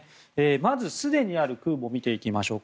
まずすでにある空母を見ていきましょう。